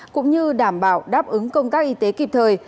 cũng như đảm bảo đáp ứng công tác y tế kịp thời